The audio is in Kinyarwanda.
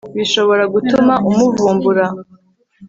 bishobora gutuma umuvumbura